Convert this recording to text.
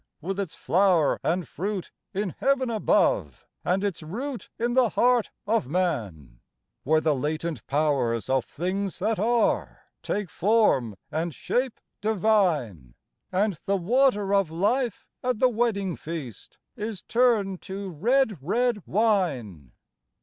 With its flower and fruit in heaven above and its root in the heart of man ; Where the latent powers of things that are take form and shape divine, And the water of life at the wedding feast is turned to red, red wine.